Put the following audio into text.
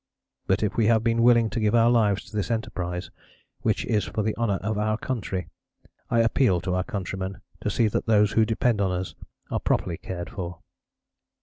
But if we have been willing to give our lives to this enterprise, which is for the honour of our country, I appeal to our countrymen to see that those who depend on us are properly cared for.